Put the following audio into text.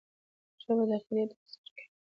ژبه د عقیدې تفسیر کوي